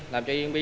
làm cho bb